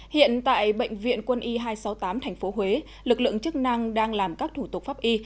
hiện tại bệnh viện quân y hai trăm sáu mươi tám tp huế lực lượng chức năng đang làm các thủ tục pháp y